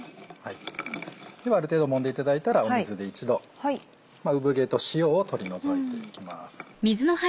ある程度もんでいただいたら水で一度産毛と塩を取り除いていきます。